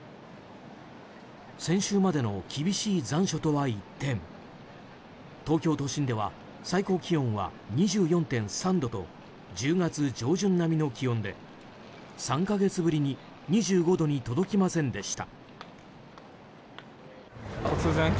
先週までの厳しい残暑とは一転東京都心では最高気温は２４．３度と１０月上旬並みの気温で３か月ぶりに２５度に届きませんでした。